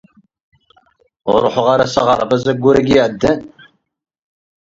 Ur ruḥeɣ ara s aɣerbaz ayyur-ayi iɛeddan.